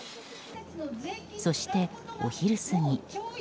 そして、お昼過ぎ。